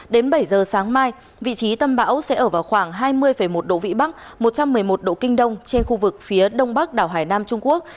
đến bảy giờ sáng mai vị trí tâm bão sẽ ở vào khoảng hai mươi một độ vĩ bắc một trăm một mươi một độ kinh đông trên khu vực phía đông bắc đảo hải nam trung quốc